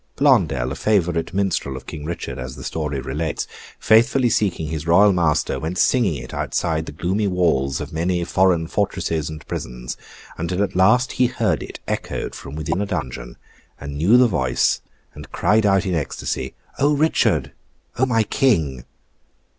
Blondel, a favourite Minstrel of King Richard, as the story relates, faithfully seeking his Royal master, went singing it outside the gloomy walls of many foreign fortresses and prisons; until at last he heard it echoed from within a dungeon, and knew the voice, and cried out in ecstasy, 'O Richard, O my King!